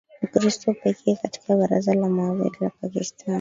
mkristo pekee katika baraza la mawaziri la pakistan